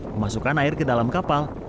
memasukkan air ke dalam kapal